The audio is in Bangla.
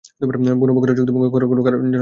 বনু বকরের চুক্তিভঙ্গ করার কারণ কারো জানা ছিল না।